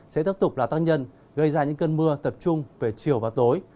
sẽ tiếp tục là tác nhân gây ra những cơn mưa tập trung về chiều và tối